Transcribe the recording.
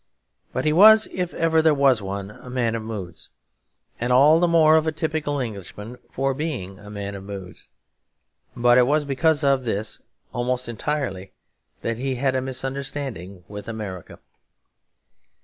But he was, if ever there was one, a man of moods; and all the more of a typical Englishman for being a man of moods. But it was because of this, almost entirely, that he had a misunderstanding with America.